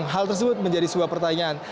hal tersebut menjadi sebuah pertanyaan